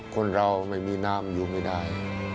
คนเราไม่มีน้ำอยู่ไม่ได้